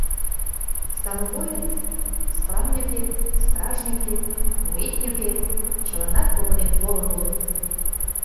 Становоет, спрамньыкет, стражньыкет, уретньыкет — чыланат погынен толын улыт.